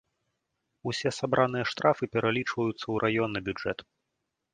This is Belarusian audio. Усе сабраныя штрафы пералічваюцца ў раённы бюджэт.